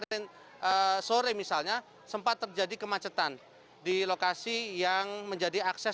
kemarin sore misalnya sempat terjadi kemacetan di lokasi yang menjadi akses